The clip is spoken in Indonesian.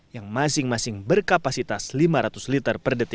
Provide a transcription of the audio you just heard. yang masing masing berkapasitas lima ratus liter per detik